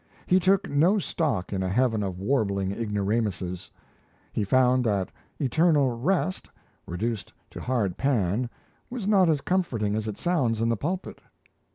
He took no stock in a heaven of warbling ignoramuses. He found that Eternal Rest, reduced to hard pan, was not as comforting as it sounds in the pulpit.